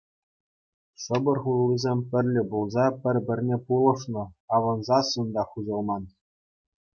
Шӑпӑр хуллисем, пӗрле пулса, пӗр-пӗрне пулӑшнӑ, авӑнсассӑн та хуҫӑлман.